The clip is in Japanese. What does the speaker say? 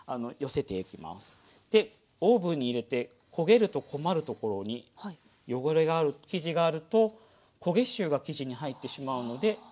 でオーブンに入れて焦げると困るところに汚れが生地があると焦げ臭が生地に入ってしまうので。